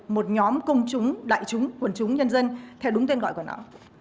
một nhóm công chúng đại chúng quần chúng nhân dân theo đúng tên gọi của não